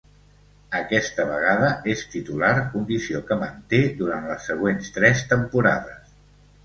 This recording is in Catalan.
Aquesta vegada és titular, condició que manté durant les següents tres temporades.